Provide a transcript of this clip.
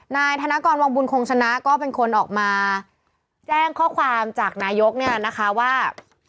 นายธนกรวังบุญคงชนะก็เป็นคนออกมาแจ้งข้อความจากนายกเนี่ยนะคะว่า